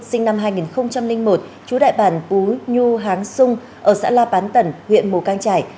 sinh năm hai nghìn một chú đại bản bú nhu háng sung ở xã la bán tẩn huyện mù cang trải